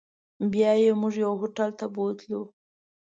بیا یې موږ یو هوټل ته بوتلو.